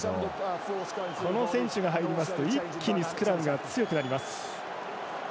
この選手が入りますと一気にスクラムが強くなります。